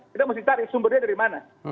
kita mesti cari sumbernya dari mana